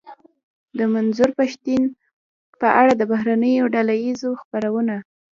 د منظور پښتين په اړه د بهرنيو ډله ايزو خپرونو.